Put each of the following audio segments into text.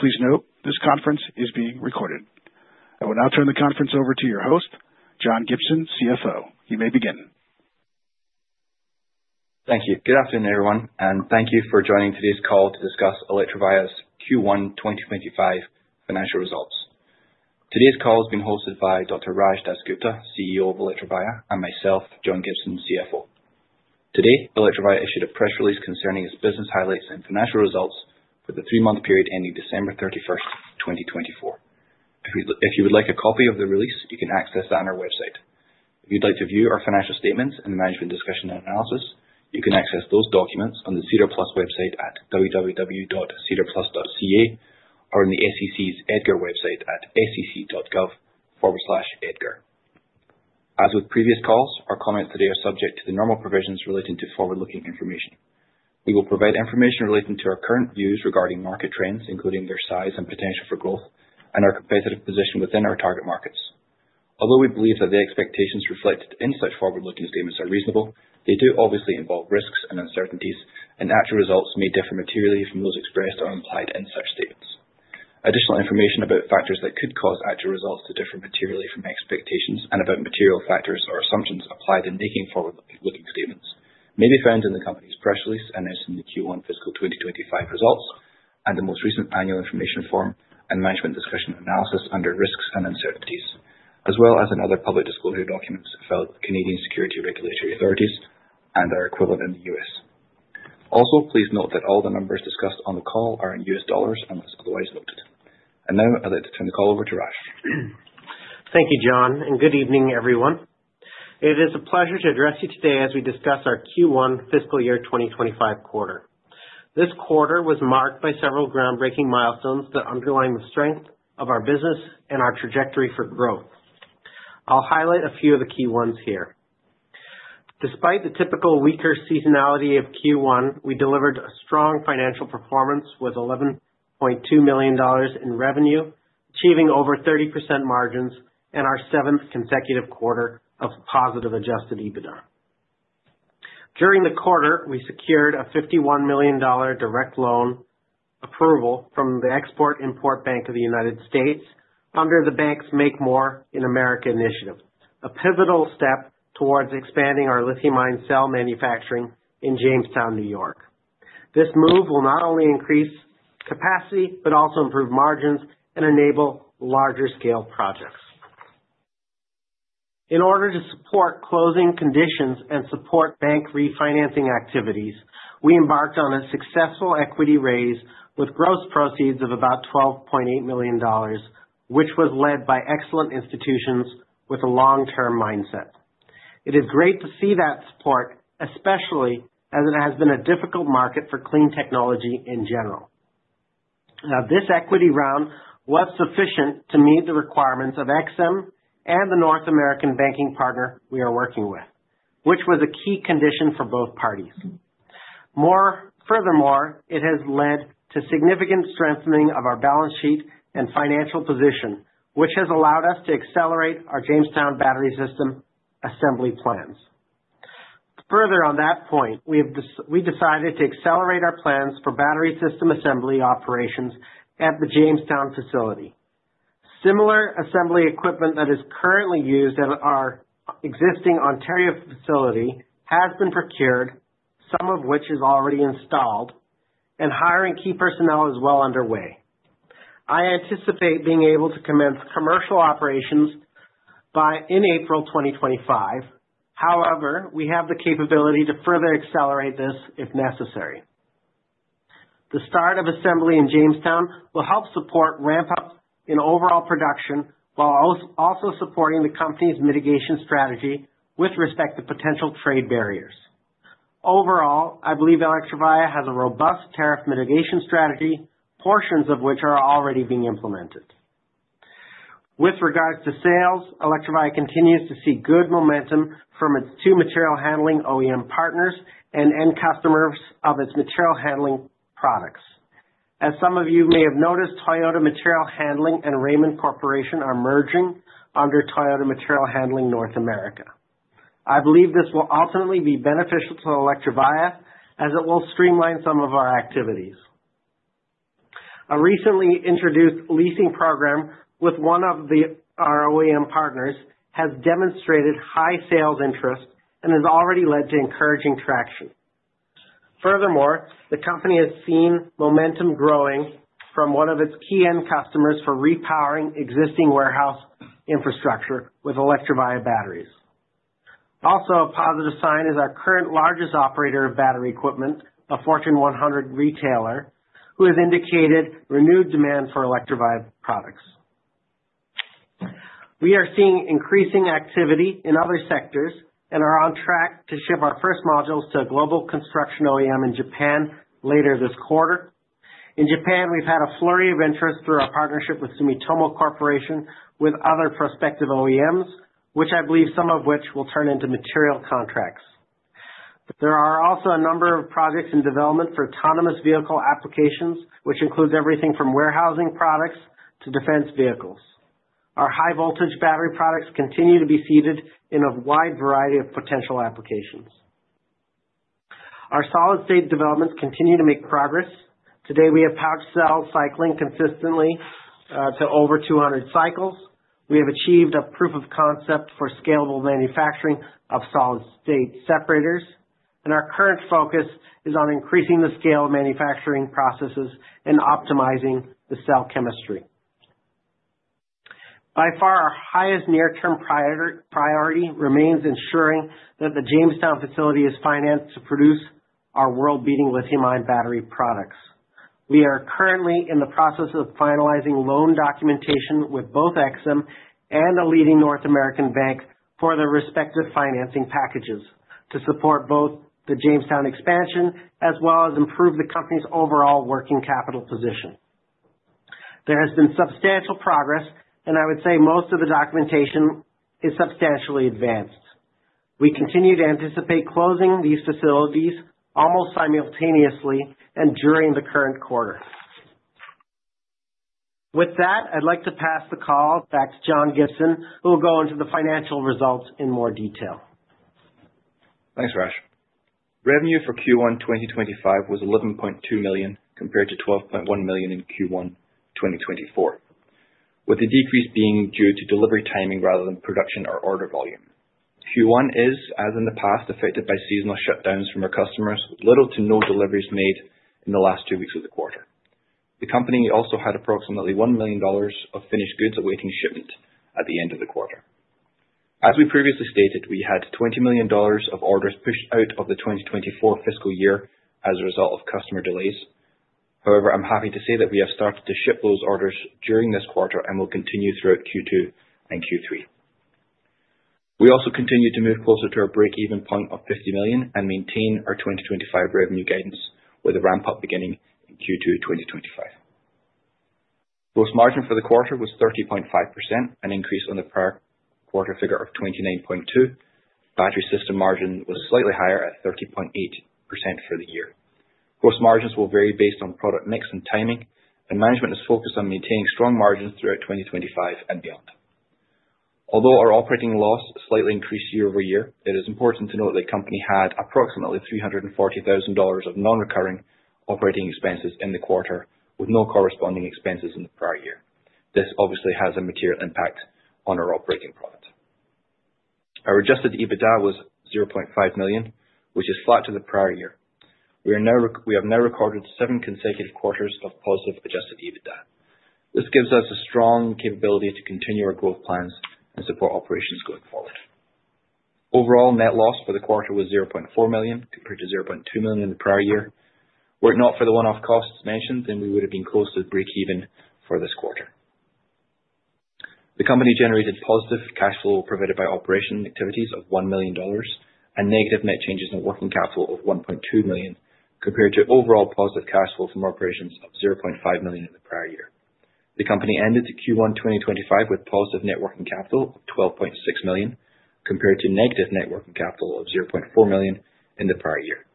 Please note, this conference is being recorded. I will now turn the conference over to your host, John Gibson, CFO. You may begin. Thank you. Good afternoon, everyone, and thank you for joining today's call to discuss Electrovaya's Q1 2025 financial results. Today's call has been hosted by Dr. Raj DasGupta, CEO of Electrovaya, and myself, John Gibson, CFO. Today, Electrovaya issued a press release concerning its business highlights and financial results for the three-month period ending December 31, 2024. If you would like a copy of the release, you can access that on our website. If you'd like to view our financial statements and the management discussion and analysis, you can access those documents on the SEDAR+ website at www.sedarplus.ca or on the SEC's Edgar website at sec.gov/edgar. As with previous calls, our comments today are subject to the normal provisions relating to forward-looking information. We will provide information relating to our current views regarding market trends, including their size and potential for growth, and our competitive position within our target markets. Although we believe that the expectations reflected in such forward-looking statements are reasonable, they do obviously involve risks and uncertainties, and actual results may differ materially from those expressed or implied in such statements. Additional information about factors that could cause actual results to differ materially from expectations and about material factors or assumptions applied in making forward-looking statements may be found in the company's press release announcing the Q1 fiscal 2025 results and the most recent annual information form and management discussion and analysis under risks and uncertainties, as well as in other public disclosure documents filed with Canadian security regulatory authorities and our equivalent in the U.S. Also, please note that all the numbers discussed on the call are in US dollars unless otherwise noted. Now, I'd like to turn the call over to Raj. Thank you, John, and good evening, everyone. It is a pleasure to address you today as we discuss our Q1 fiscal year 2025 quarter. This quarter was marked by several groundbreaking milestones that underline the strength of our business and our trajectory for growth. I'll highlight a few of the key ones here. Despite the typical weaker seasonality of Q1, we delivered a strong financial performance with $11.2 million in revenue, achieving over 30% margins in our seventh consecutive quarter of positive adjusted EBITDA. During the quarter, we secured a $51 million direct loan approval from the Export-Import Bank of the United States under the bank's Make More in America initiative, a pivotal step towards expanding our lithium-ion cell manufacturing in Jamestown, New York. This move will not only increase capacity but also improve margins and enable larger-scale projects. In order to support closing conditions and support bank refinancing activities, we embarked on a successful equity raise with gross proceeds of about $12.8 million, which was led by excellent institutions with a long-term mindset. It is great to see that support, especially as it has been a difficult market for clean technology in general. Now, this equity round was sufficient to meet the requirements of EXIM and the North American banking partner we are working with, which was a key condition for both parties. Furthermore, it has led to significant strengthening of our balance sheet and financial position, which has allowed us to accelerate our Jamestown battery system assembly plans. Further on that point, we decided to accelerate our plans for battery system assembly operations at the Jamestown facility. Similar assembly equipment that is currently used at our existing Ontario facility has been procured, some of which is already installed, and hiring key personnel is well underway. I anticipate being able to commence commercial operations by April 2025. However, we have the capability to further accelerate this if necessary. The start of assembly in Jamestown will help support ramp-up in overall production while also supporting the company's mitigation strategy with respect to potential trade barriers. Overall, I believe Electrovaya has a robust tariff mitigation strategy, portions of which are already being implemented. With regards to sales, Electrovaya continues to see good momentum from its two material handling OEM partners and end customers of its material handling products. As some of you may have noticed, Toyota Material Handling and Raymond Corporation are merging under Toyota Material Handling North America. I believe this will ultimately be beneficial to Electrovaya as it will streamline some of our activities. A recently introduced leasing program with one of our OEM partners has demonstrated high sales interest and has already led to encouraging traction. Furthermore, the company has seen momentum growing from one of its key end customers for repowering existing warehouse infrastructure with Electrovaya batteries. Also, a positive sign is our current largest operator of battery equipment, a Fortune 100 retailer, who has indicated renewed demand for Electrovaya products. We are seeing increasing activity in other sectors and are on track to ship our first modules to a global construction OEM in Japan later this quarter. In Japan, we've had a flurry of interest through our partnership with Sumitomo Corporation with other prospective OEMs, which I believe some of which will turn into material contracts. There are also a number of projects in development for autonomous vehicle applications, which includes everything from warehousing products to defense vehicles. Our high-voltage battery products continue to be seeded in a wide variety of potential applications. Our solid-state developments continue to make progress. Today, we have pouch cell cycling consistently to over 200 cycles. We have achieved a proof of concept for scalable manufacturing of solid-state separators, and our current focus is on increasing the scale of manufacturing processes and optimizing the cell chemistry. By far, our highest near-term priority remains ensuring that the Jamestown facility is financed to produce our world-beating lithium-ion battery products. We are currently in the process of finalizing loan documentation with both EXIM and a leading North American bank for their respective financing packages to support both the Jamestown expansion as well as improve the company's overall working capital position. There has been substantial progress, and I would say most of the documentation is substantially advanced. We continue to anticipate closing these facilities almost simultaneously and during the current quarter. With that, I'd like to pass the call back to John Gibson, who will go into the financial results in more detail. Thanks, Raj. Revenue for Q1 2025 was $11.2 million compared to $12.1 million in Q1 2024, with the decrease being due to delivery timing rather than production or order volume. Q1 is, as in the past, affected by seasonal shutdowns from our customers, with little to no deliveries made in the last two weeks of the quarter. The company also had approximately $1 million of finished goods awaiting shipment at the end of the quarter. As we previously stated, we had $20 million of orders pushed out of the 2024 fiscal year as a result of customer delays. However, I'm happy to say that we have started to ship those orders during this quarter and will continue throughout Q2 and Q3. We also continue to move closer to our break-even point of $50 million and maintain our 2025 revenue guidance with a ramp-up beginning in Q2 2025. Gross margin for the quarter was 30.5%, an increase on the prior quarter figure of 29.2%. Battery system margin was slightly higher at 30.8% for the year. Gross margins will vary based on product mix and timing, and management is focused on maintaining strong margins throughout 2025 and beyond. Although our operating loss slightly increased year over year, it is important to note that the company had approximately $340,000 of non-recurring operating expenses in the quarter, with no corresponding expenses in the prior year. This obviously has a material impact on our operating profit. Our adjusted EBITDA was $0.5 million, which is flat to the prior year. We have now recorded seven consecutive quarters of positive adjusted EBITDA. This gives us a strong capability to continue our growth plans and support operations going forward. Overall, net loss for the quarter was $0.4 million compared to $0.2 million in the prior year. Were it not for the one-off costs mentioned, then we would have been close to break-even for this quarter. The company generated positive cash flow provided by operation activities of $1 million and negative net changes in working capital of $1.2 million compared to overall positive cash flow from operations of $0.5 million in the prior year. The company ended Q1 2025 with positive net working capital of $12.6 million compared to negative net working capital of $0.4 million in the prior year.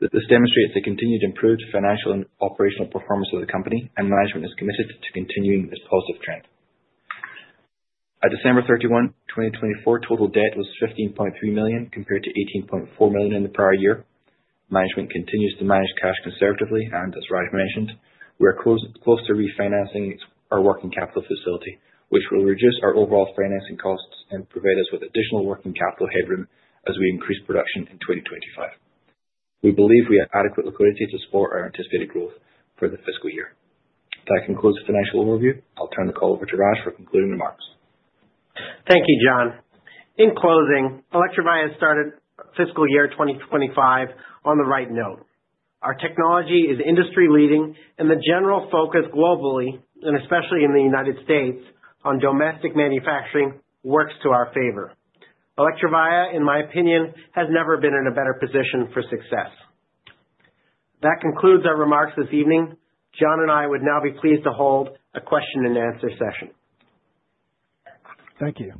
This demonstrates the continued improved financial and operational performance of the company, and management is committed to continuing this positive trend. At December 31, 2024, total debt was $15.3 million compared to $18.4 million in the prior year. Management continues to manage cash conservatively, and as Raj mentioned, we are close to refinancing our working capital facility, which will reduce our overall financing costs and provide us with additional working capital headroom as we increase production in 2025. We believe we have adequate liquidity to support our anticipated growth for the fiscal year. That concludes the financial overview. I'll turn the call over to Raj for concluding remarks. Thank you, John. In closing, Electrovaya has started fiscal year 2025 on the right note. Our technology is industry-leading, and the general focus globally, and especially in the U.S. on domestic manufacturing, works to our favor. Electrovaya, in my opinion, has never been in a better position for success. That concludes our remarks this evening. John and I would now be pleased to hold a question-and-answer session. Thank you.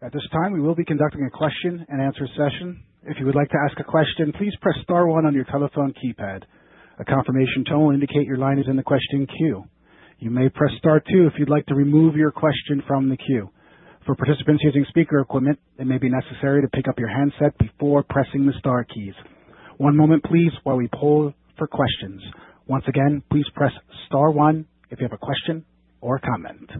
At this time, we will be conducting a question-and-answer session. If you would like to ask a question, please press star one on your telephone keypad. A confirmation tone will indicate your line is in the question queue. You may press star two if you'd like to remove your question from the queue. For participants using speaker equipment, it may be necessary to pick up your handset before pressing the star keys. One moment, please, while we poll for questions. Once again, please press star one if you have a question or a comment.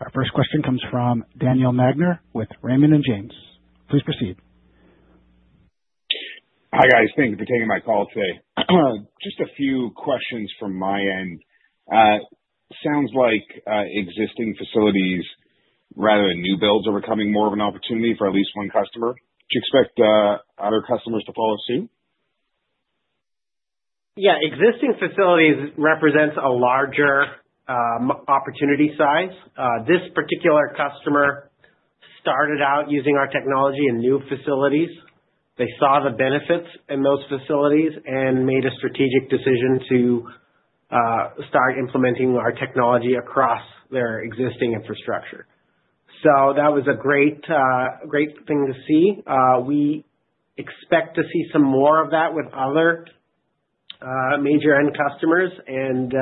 Our first question comes from Daniel Magner with Raymond James. Please proceed. Hi, guys. Thank you for taking my call today. Just a few questions from my end. Sounds like existing facilities, rather than new builds, are becoming more of an opportunity for at least one customer. Do you expect other customers to follow suit? Yeah. Existing facilities represent a larger opportunity size. This particular customer started out using our technology in new facilities. They saw the benefits in those facilities and made a strategic decision to start implementing our technology across their existing infrastructure. That was a great thing to see. We expect to see some more of that with other major end customers, and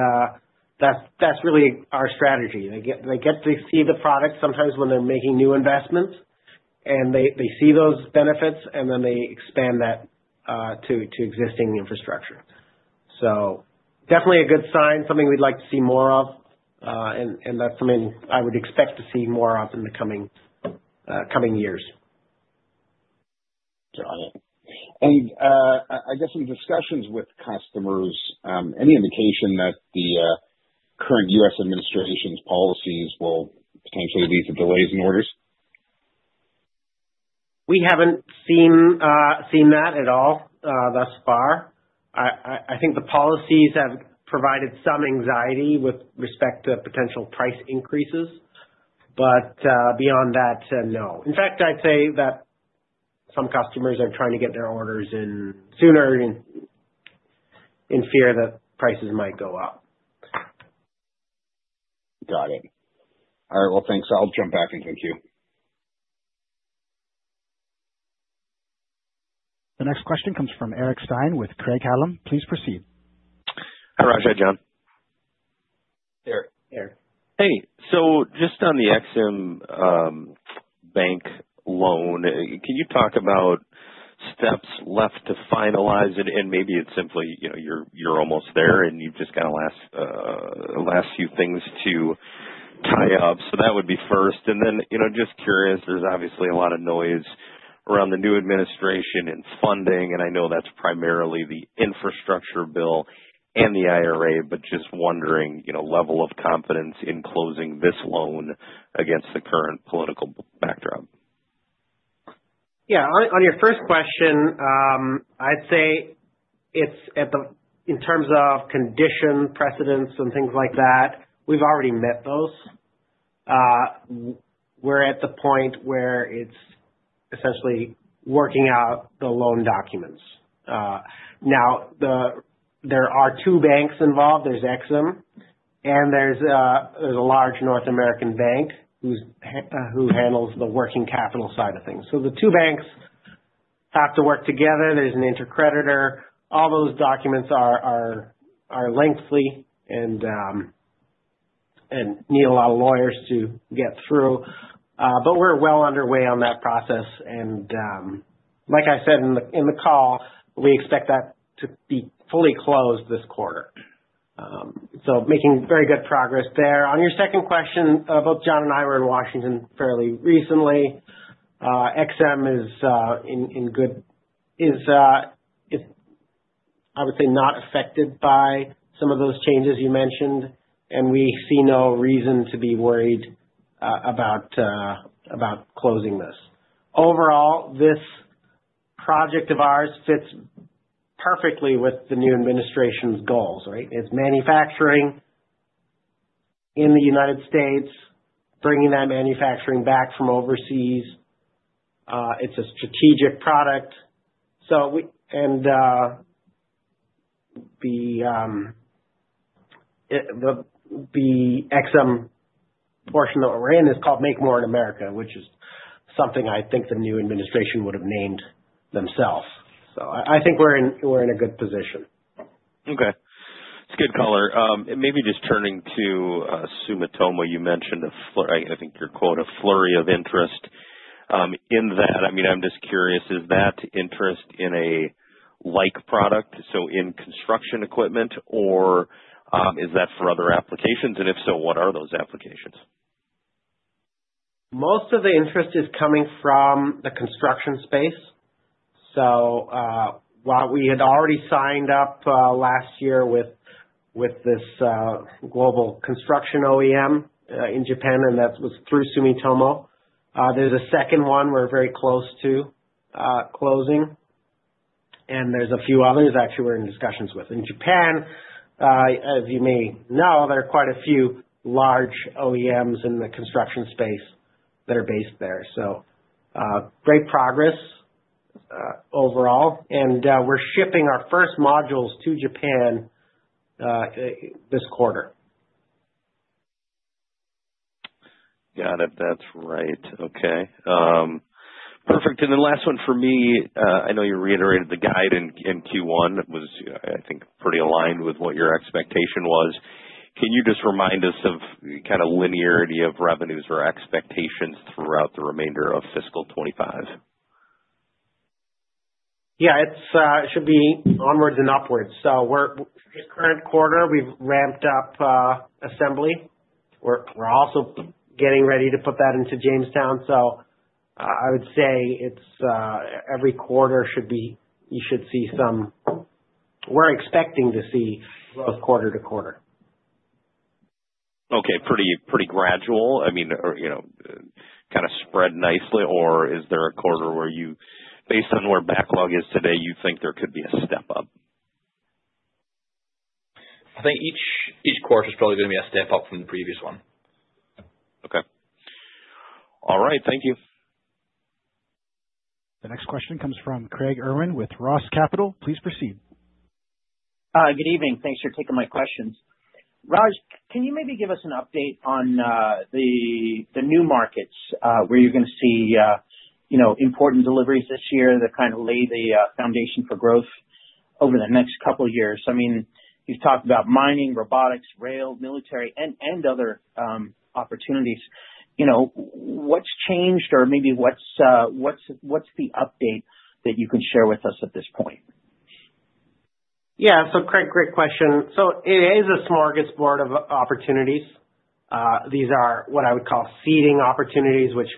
that's really our strategy. They get to see the product sometimes when they're making new investments, and they see those benefits, and then they expand that to existing infrastructure. Definitely a good sign, something we'd like to see more of, and that's something I would expect to see more of in the coming years. Got it. I guess in discussions with customers, any indication that the current U.S. administration's policies will potentially lead to delays in orders? We haven't seen that at all thus far. I think the policies have provided some anxiety with respect to potential price increases, but beyond that, no. In fact, I'd say that some customers are trying to get their orders in sooner in fear that prices might go up. Got it. All right. Thanks. I'll jump back and thank you. The next question comes from Eric Stine with Craig-Hallum. Please proceed. Hi, Raj. Hi, John. Here. Hey. Just on the EXIM Bank loan, can you talk about steps left to finalize it? Maybe it's simply you're almost there, and you've just got the last few things to tie up. That would be first. Just curious, there's obviously a lot of noise around the new administration and funding, and I know that's primarily the infrastructure bill and the IRA, but just wondering level of confidence in closing this loan against the current political backdrop. Yeah. On your first question, I'd say in terms of conditions precedent and things like that, we've already met those. We're at the point where it's essentially working out the loan documents. Now, there are two banks involved. There's EXIM, and there's a large North American bank who handles the working capital side of things. The two banks have to work together. There's an intercreditor. All those documents are lengthy and need a lot of lawyers to get through. We're well underway on that process. Like I said in the call, we expect that to be fully closed this quarter. Making very good progress there. On your second question, both John and I were in Washington fairly recently. EXIM is, I would say, not affected by some of those changes you mentioned, and we see no reason to be worried about closing this. Overall, this project of ours fits perfectly with the new administration's goals, right? It's manufacturing in the United States, bringing that manufacturing back from overseas. It's a strategic product. The EXIM portion that we're in is called Make More in America, which is something I think the new administration would have named themselves. I think we're in a good position. Okay. It's good color. Maybe just turning to Sumitomo, you mentioned a, I think your quote, a flurry of interest in that. I mean, I'm just curious, is that interest in a like product, so in construction equipment, or is that for other applications? And if so, what are those applications? Most of the interest is coming from the construction space. While we had already signed up last year with this global construction OEM in Japan, and that was through Sumitomo, there is a second one we are very close to closing. There are a few others actually we are in discussions with. In Japan, as you may know, there are quite a few large OEMs in the construction space that are based there. Great progress overall. We are shipping our first modules to Japan this quarter. Got it. That's right. Okay. Perfect. Last one for me, I know you reiterated the guide in Q1. It was, I think, pretty aligned with what your expectation was. Can you just remind us of kind of linearity of revenues or expectations throughout the remainder of fiscal 2025? Yeah. It should be onwards and upwards. This current quarter, we've ramped up assembly. We're also getting ready to put that into Jamestown. I would say every quarter you should see some, we're expecting to see growth quarter to quarter. Okay. Pretty gradual. I mean, kind of spread nicely, or is there a quarter where you, based on where backlog is today, you think there could be a step up? I think each quarter is probably going to be a step up from the previous one. Okay. All right. Thank you. The next question comes from Craig Irwin with Roth Capital. Please proceed. Hi. Good evening. Thanks for taking my questions. Raj, can you maybe give us an update on the new markets where you're going to see important deliveries this year that kind of lay the foundation for growth over the next couple of years? I mean, you've talked about mining, robotics, rail, military, and other opportunities. What's changed, or maybe what's the update that you can share with us at this point? Yeah. Craig, great question. It is a smorgasbord of opportunities. These are what I would call seeding opportunities, which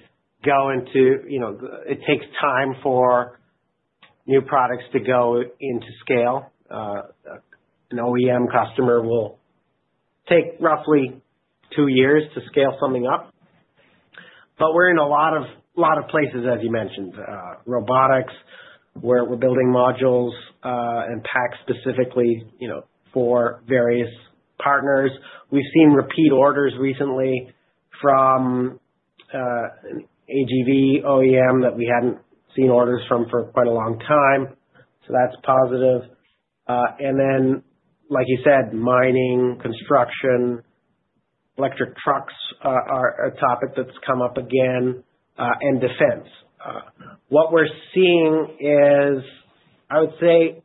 go into it takes time for new products to go into scale. An OEM customer will take roughly two years to scale something up. We're in a lot of places, as you mentioned, robotics, where we're building modules and packs specifically for various partners. We've seen repeat orders recently from AGV OEM that we hadn't seen orders from for quite a long time. That's positive. Like you said, mining, construction, electric trucks are a topic that's come up again, and defense. What we're seeing is, I would say,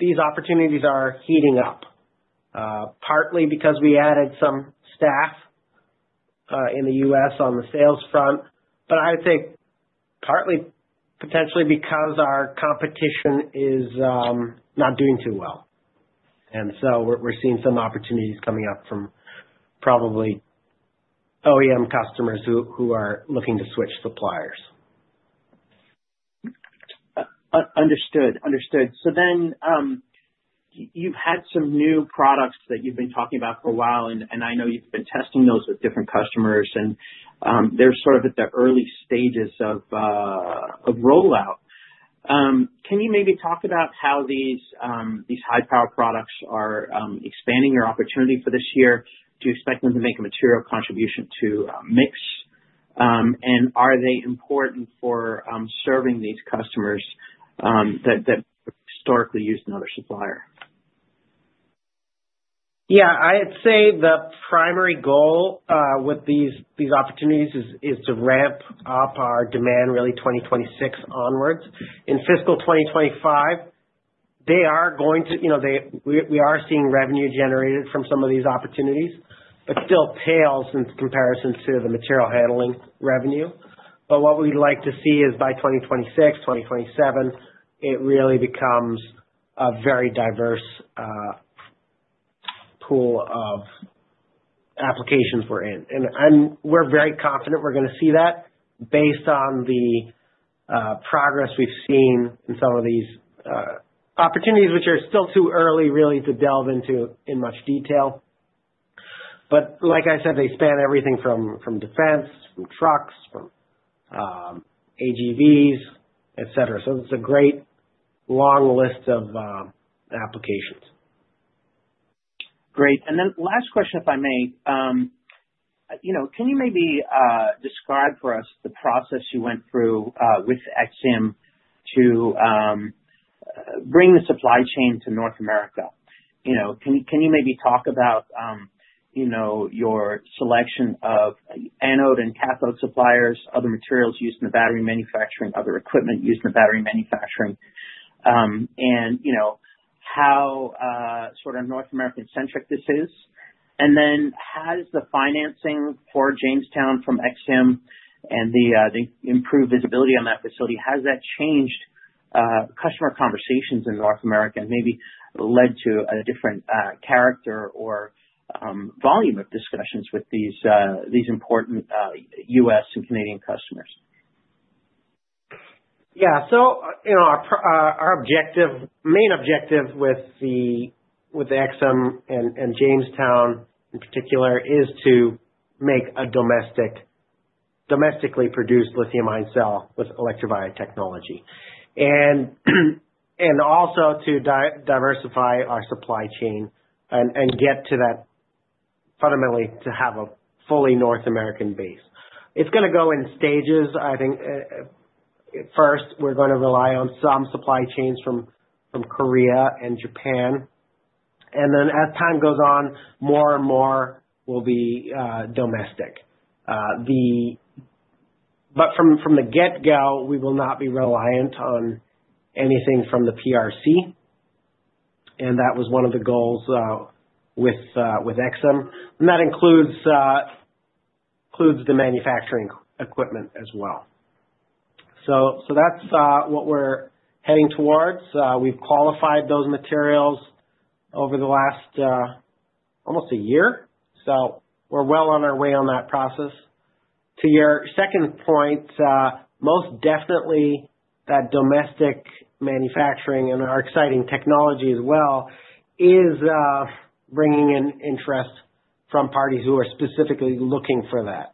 these opportunities are heating up, partly because we added some staff in the U.S. on the sales front, but I would say partly potentially because our competition is not doing too well. We're seeing some opportunities coming up from probably OEM customers who are looking to switch suppliers. Understood. Understood. You've had some new products that you've been talking about for a while, and I know you've been testing those with different customers, and they're sort of at the early stages of rollout. Can you maybe talk about how these high-power products are expanding your opportunity for this year? Do you expect them to make a material contribution to mix, and are they important for serving these customers that historically used another supplier? Yeah. I'd say the primary goal with these opportunities is to ramp up our demand really 2026 onwards. In fiscal 2025, they are going to, we are seeing revenue generated from some of these opportunities, but still pales in comparison to the material handling revenue. What we'd like to see is by 2026, 2027, it really becomes a very diverse pool of applications we're in. We're very confident we're going to see that based on the progress we've seen in some of these opportunities, which are still too early really to delve into in much detail. Like I said, they span everything from defense, from trucks, from AGVs, etc. It's a great long list of applications. Great. Last question, if I may. Can you maybe describe for us the process you went through with EXIM to bring the supply chain to North America? Can you maybe talk about your selection of anode and cathode suppliers, other materials used in the battery manufacturing, other equipment used in the battery manufacturing, and how sort of North American-centric this is? Has the financing for Jamestown from EXIM and the improved visibility on that facility, has that changed customer conversations in North America and maybe led to a different character or volume of discussions with these important U.S. and Canadian customers? Yeah. Our main objective with EXIM and Jamestown in particular is to make a domestically produced lithium-ion cell with Electrovaya technology and also to diversify our supply chain and get to that fundamentally to have a fully North American base. It's going to go in stages. I think first we're going to rely on some supply chains from Korea and Japan. As time goes on, more and more will be domestic. From the get-go, we will not be reliant on anything from the PRC, and that was one of the goals with EXIM. That includes the manufacturing equipment as well. That's what we're heading towards. We've qualified those materials over the last almost a year. We're well on our way on that process. To your second point, most definitely that domestic manufacturing and our exciting technology as well is bringing in interest from parties who are specifically looking for that.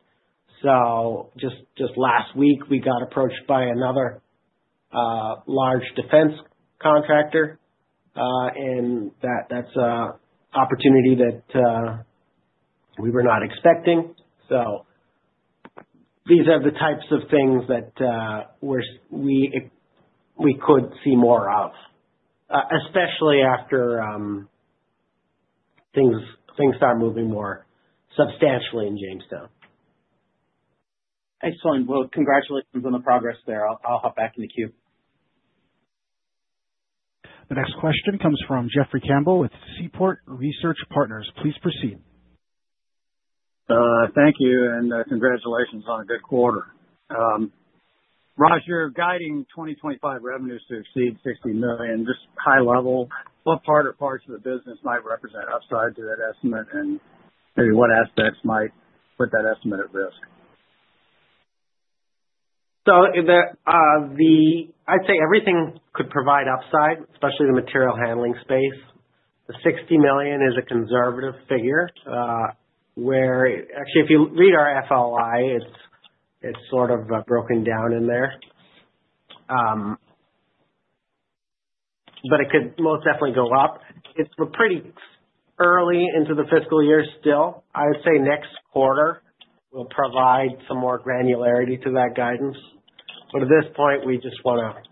Just last week, we got approached by another large defense contractor, and that's an opportunity that we were not expecting. These are the types of things that we could see more of, especially after things start moving more substantially in Jamestown. Excellent. Congratulations on the progress there. I'll hop back in the queue. The next question comes from Jeffrey Campbell with Seaport Research Partners. Please proceed. Thank you. Congratulations on a good quarter. Raj, you're guiding 2025 revenues to exceed $60 million. Just high level, what part or parts of the business might represent upside to that estimate, and maybe what aspects might put that estimate at risk? I'd say everything could provide upside, especially the material handling space. The $60 million is a conservative figure where actually, if you read our FYI, it's sort of broken down in there. It could most definitely go up. We're pretty early into the fiscal year still. I would say next quarter will provide some more granularity to that guidance. At this point, we just want to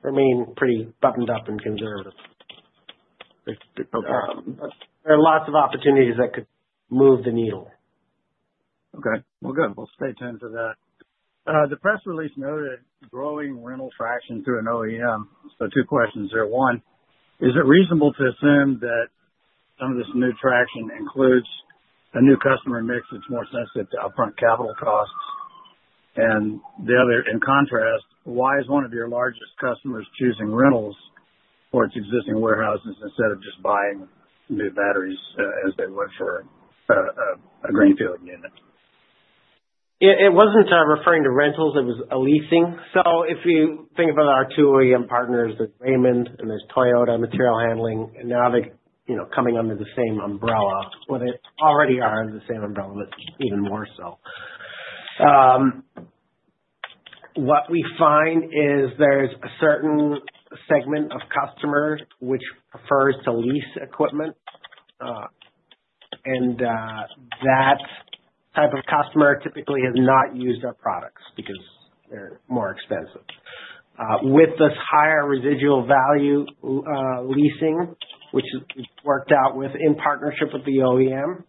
remain pretty buttoned up and conservative. There are lots of opportunities that could move the needle. Okay. Good. We'll stay tuned for that. The press release noted growing rental traction through an OEM. Two questions there. One, is it reasonable to assume that some of this new traction includes a new customer mix that's more sensitive to upfront capital costs? The other, in contrast, why is one of your largest customers choosing rentals for its existing warehouses instead of just buying new batteries as they would for a greenfield unit? It was not referring to rentals. It was leasing. If you think about our two OEM partners, there is Raymond and there is Toyota Material Handling, and now they are coming under the same umbrella, where they already are under the same umbrella, but even more so. What we find is there is a certain segment of customer which prefers to lease equipment, and that type of customer typically has not used our products because they are more expensive. With this higher residual value leasing, which is worked out in partnership with the OEM,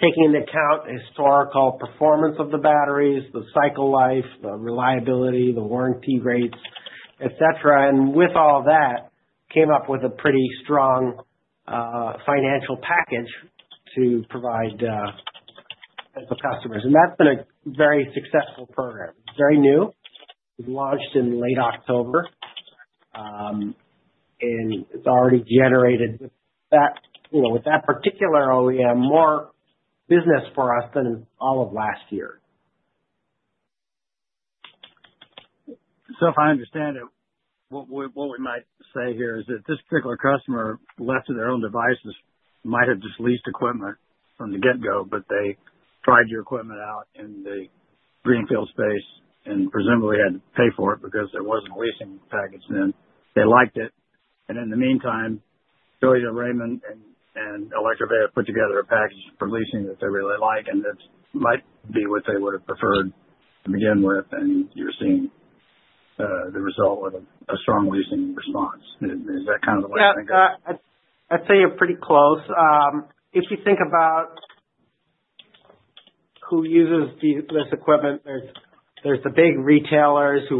taking into account historical performance of the batteries, the cycle life, the reliability, the warranty rates, etc., and with all that, came up with a pretty strong financial package to provide to customers. That has been a very successful program. It is very new. It was launched in late October, and it's already generated with that particular OEM more business for us than all of last year. If I understand it, what we might say here is that this particular customer, left to their own devices, might have just leased equipment from the get-go, but they tried your equipment out in the greenfield space and presumably had to pay for it because there was not a leasing package then. They liked it. In the meantime, Toyota Raymond and Electrovaya put together a package for leasing that they really like, and that might be what they would have preferred to begin with. You are seeing the result of a strong leasing response. Is that kind of the way to think of it? Yeah. I'd say you're pretty close. If you think about who uses this equipment, there's the big retailers who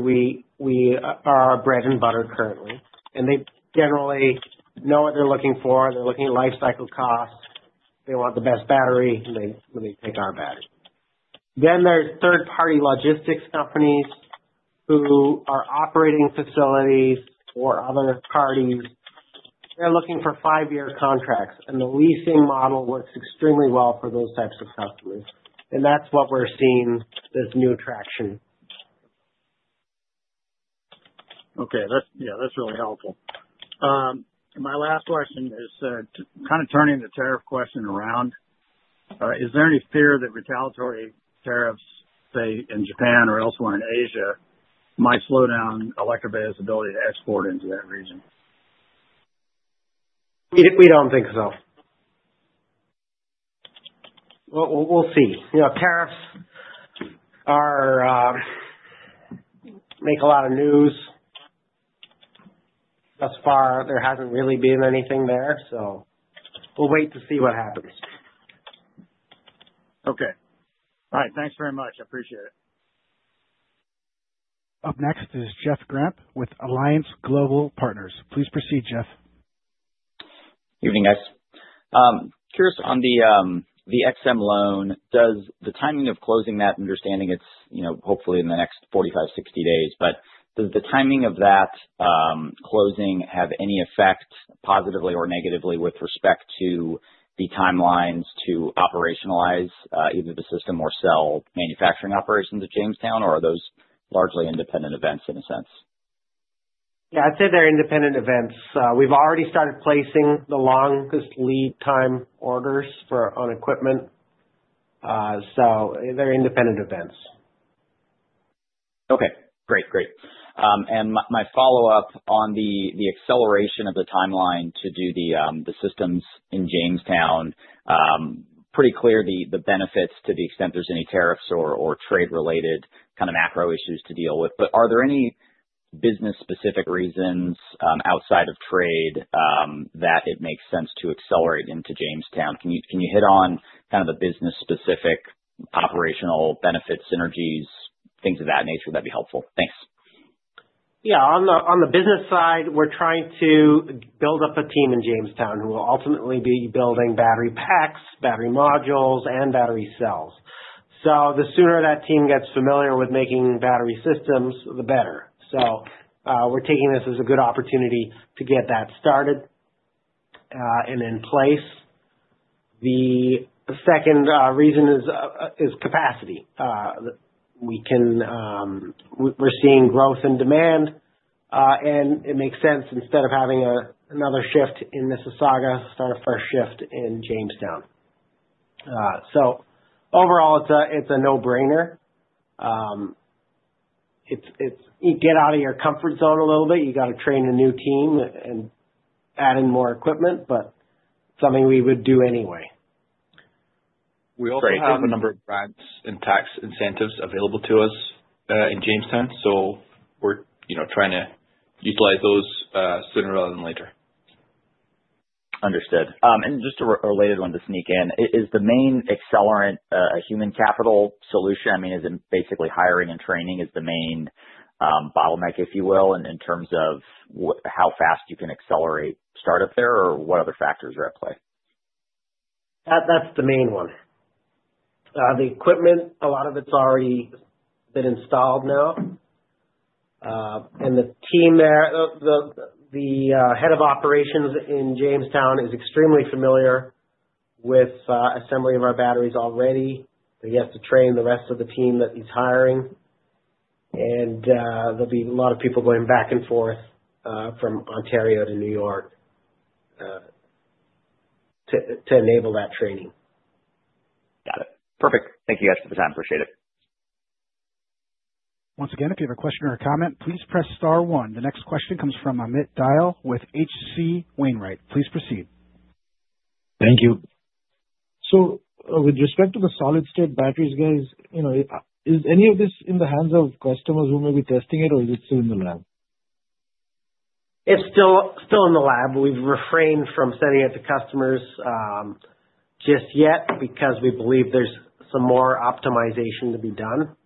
are our bread and butter currently. They generally know what they're looking for. They're looking at lifecycle costs. They want the best battery, and they take our battery. There are third-party logistics companies who are operating facilities for other parties. They're looking for five-year contracts, and the leasing model works extremely well for those types of customers. That's what we're seeing, this new traction. Okay. Yeah. That's really helpful. My last question is kind of turning the tariff question around. Is there any fear that retaliatory tariffs, say, in Japan or elsewhere in Asia, might slow down Electrovaya's ability to export into that region? We don't think so. We'll see. Tariffs make a lot of news. Thus far, there hasn't really been anything there. We'll wait to see what happens. Okay. All right. Thanks very much. I appreciate it. Up next is Jeff Grampp with Alliance Global Partners. Please proceed, Jeff. Good evening, guys. Curious on the EXIM loan. The timing of closing that, I'm understanding it's hopefully in the next 45-60 days, but does the timing of that closing have any effect positively or negatively with respect to the timelines to operationalize either the system or cell manufacturing operations at Jamestown, or are those largely independent events in a sense? Yeah. I'd say they're independent events. We've already started placing the longest lead time orders on equipment. So they're independent events. Okay. Great. Great. My follow-up on the acceleration of the timeline to do the systems in Jamestown, pretty clear the benefits to the extent there's any tariffs or trade-related kind of macro issues to deal with. Are there any business-specific reasons outside of trade that it makes sense to accelerate into Jamestown? Can you hit on kind of the business-specific operational benefits, synergies, things of that nature? That'd be helpful. Thanks. Yeah. On the business side, we're trying to build up a team in Jamestown who will ultimately be building battery packs, battery modules, and battery cells. The sooner that team gets familiar with making battery systems, the better. We're taking this as a good opportunity to get that started and in place. The second reason is capacity. We're seeing growth in demand, and it makes sense instead of having another shift in Mississauga, start a fresh shift in Jamestown. Overall, it's a no-brainer. You get out of your comfort zone a little bit. You got to train a new team and add in more equipment, but something we would do anyway. We also have a number of grants and tax incentives available to us in Jamestown, so we're trying to utilize those sooner rather than later. Understood. Just a related one to sneak in, is the main accelerant a human capital solution? I mean, is it basically hiring and training is the main bottleneck, if you will, in terms of how fast you can accelerate startup there, or what other factors are at play? That's the main one. The equipment, a lot of it's already been installed now. The team there, the head of operations in Jamestown, is extremely familiar with assembly of our batteries already. He has to train the rest of the team that he's hiring. There will be a lot of people going back and forth from Ontario to New York to enable that training. Got it. Perfect. Thank you, guys, for the time. Appreciate it. Once again, if you have a question or a comment, please press star one. The next question comes from Amit Dayal with HC Wainwright. Please proceed. Thank you. With respect to the solid-state batteries, guys, is any of this in the hands of customers who may be testing it, or is it still in the lab? It's still in the lab. We've refrained from sending it to customers just yet because we believe there's some more optimization to be done.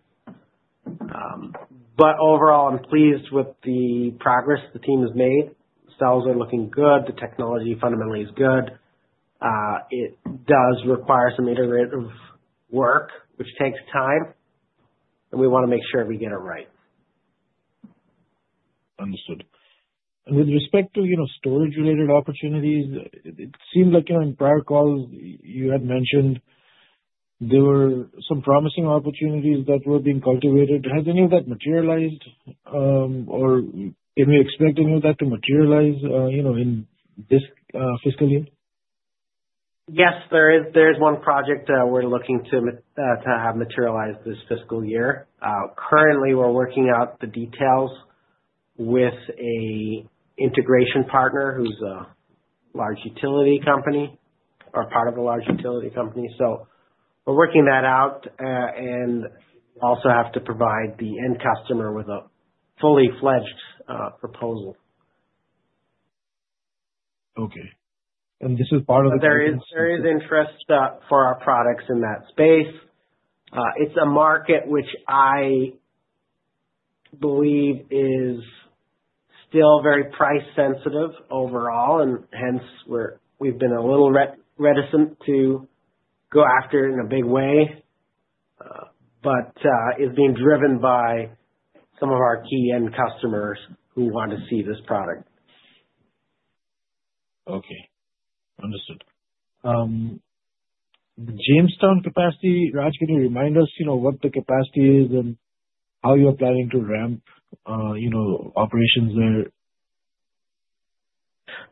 Overall, I'm pleased with the progress the team has made. The cells are looking good. The technology fundamentally is good. It does require some iterative work, which takes time, and we want to make sure we get it right. Understood. With respect to storage-related opportunities, it seemed like in prior calls you had mentioned there were some promising opportunities that were being cultivated. Has any of that materialized, or can we expect any of that to materialize in this fiscal year? Yes. There is one project that we're looking to have materialize this fiscal year. Currently, we're working out the details with an integration partner who's a large utility company or part of a large utility company. We are working that out and also have to provide the end customer with a fully fledged proposal. Okay. This is part of the. There is interest for our products in that space. It's a market which I believe is still very price-sensitive overall, and hence we've been a little reticent to go after it in a big way, but it's being driven by some of our key end customers who want to see this product. Okay. Understood. Jamestown capacity, Raj, can you remind us what the capacity is and how you're planning to ramp operations there?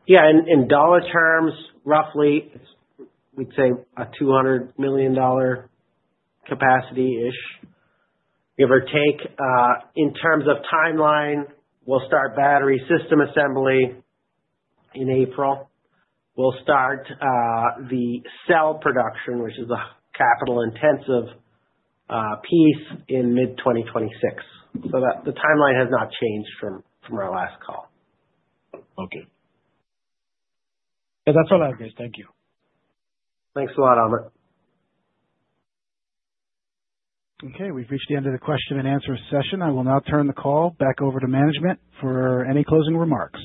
Yeah. In dollar terms, roughly, we'd say a $200 million capacity-ish, give or take. In terms of timeline, we'll start battery system assembly in April. We'll start the cell production, which is a capital-intensive piece, in mid-2026. The timeline has not changed from our last call. Okay. Yeah. That's all I have, guys. Thank you. Thanks a lot, Amit. Okay. We've reached the end of the question and answer session. I will now turn the call back over to management for any closing remarks.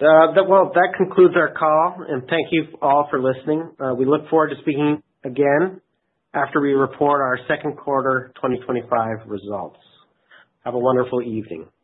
That concludes our call, and thank you all for listening. We look forward to speaking again after we report our second quarter 2025 results. Have a wonderful evening.